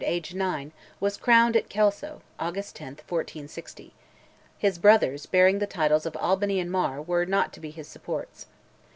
aged nine, was crowned at Kelso (August 10, 1460); his brothers, bearing the titles of Albany and Mar, were not to be his supports.